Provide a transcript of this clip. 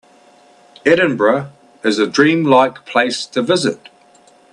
Edinburgh is a dream-like place to visit.